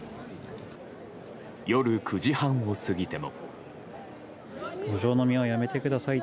夜９時半を過ぎても。